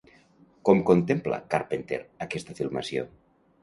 Com contempla, Carpenter, aquesta filmació?